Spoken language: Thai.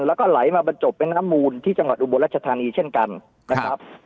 แล้วก็ไหลมาบรรจบแม่น้ำมูลที่จังหวัดอุบลรัชธานีเช่นกันนะครับ